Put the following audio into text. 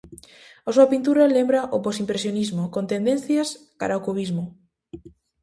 A súa pintura lembra o postimpresionismo con tendencias cara ao cubismo.